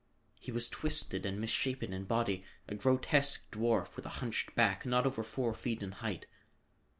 He was twisted and misshapen in body, a grotesque dwarf with a hunched back, not over four feet in height.